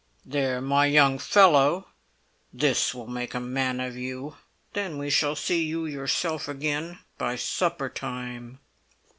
"There, my young fellow! This will make a man of you! Then we shall see you yourself again by supper time."